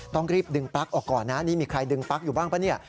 ต้องรีบดึงปลั๊กออกก่อนนะนี่มีใครดึงปลั๊กอยู่บ้างป่ะเนี่ย